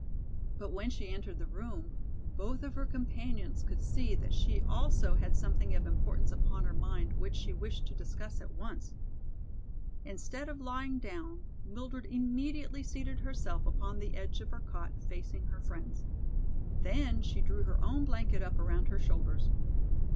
But when she entered the room, both of her companions could see that she also had something of importance upon her mind which she wished to discuss at once. Instead of lying down, Mildred immediately seated herself upon the edge of her cot, facing her friends. Then she drew her own blanket up around her shoulders.